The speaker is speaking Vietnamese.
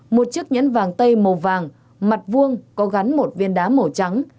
một chiếc nhẫn vàng tây màu vàng mặt vuông có gắn một viên đá màu trắng